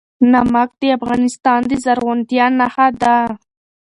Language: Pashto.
نمک د افغانستان د زرغونتیا نښه ده.